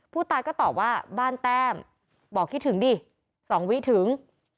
ผู้ตายก็ตอบว่าบ้านแต้มบอกคิดถึงดิ๒วิถึง